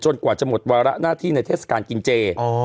กว่าจะหมดวาระหน้าที่ในเทศกาลกินเจ